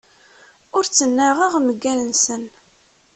Ur ttnaɣeɣ mgal-nsen.